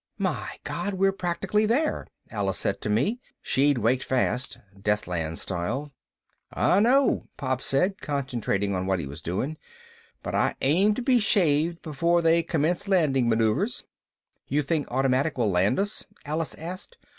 "My God, we're practically there," Alice said for me. She'd waked fast, Deathlands style. "I know," Pop said, concentrating on what he was doing, "but I aim to be shaved before they commence landing maneuvers." "You think automatic will land us?" Alice asked.